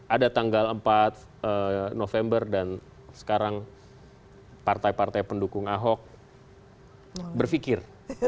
ada tanggal empat november dan sekarang partai partai pendukung ahok berpikir